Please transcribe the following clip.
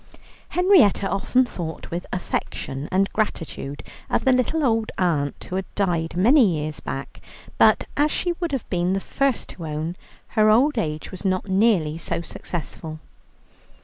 Henrietta often thought with affection and gratitude of the little old aunt, who had died many years back; but, as she would have been the first to own, her old age was not nearly so successful.